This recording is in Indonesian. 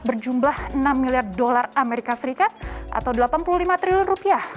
berjumlah enam miliar dolar amerika serikat atau delapan puluh lima triliun rupiah